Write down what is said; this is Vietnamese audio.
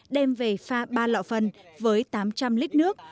đem về pha ba lọ phần với tám trăm linh lít nước